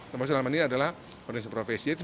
terus dalam hal ini adalah organisasi profesi